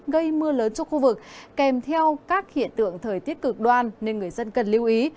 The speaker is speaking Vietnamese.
gây mưa lớn cho khu vực kèm theo các hiện tượng thời tiết cực đoan nên người dân cần lưu ý